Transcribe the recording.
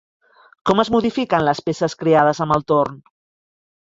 Com es modifiquen les peces creades amb el torn?